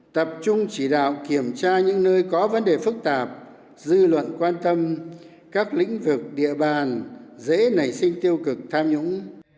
tập trung chỉ đạo kiểm tra những nơi có vấn đề phức tạp dư luận quan tâm các lĩnh vực địa bàn dễ nảy sinh tiêu cực tham nhũng